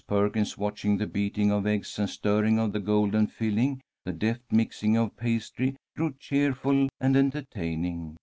Perkins, watching the beating of eggs and stirring of the golden filling, the deft mixing of pastry, grew cheerful and entertaining.